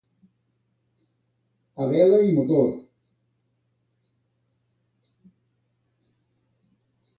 A vela i motor.